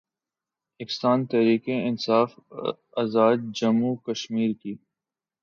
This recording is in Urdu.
اکستان تحریک انصاف آزادجموں وکشمیر کی